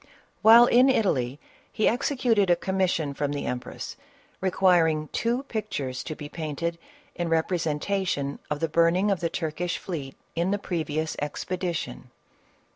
While in Italy, he executed a commission from the empress requiring two pictures to be painted in representation of the burning of the Turkish fleet in the previous expedition.